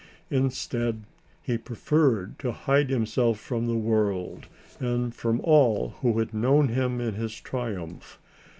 Instead he preferred to hide himself from the world and from all who had known him in his triumph.